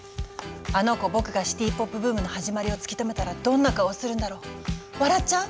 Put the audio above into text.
「あの娘ぼくがシティポップブームのはじまりを突き止めたらどんな顔するだろう笑っちゃう？